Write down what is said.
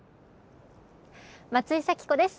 松井咲子です。